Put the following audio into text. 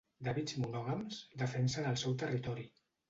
D'hàbits monògams, defensen el seu territori.